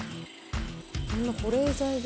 こんな保冷剤で？